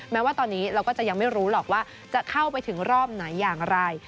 แม้ว่าตอนนี้เราก็จะยังไม่รู้หรอกว่าจะเข้าไปถึงรอบไหนอย่างไร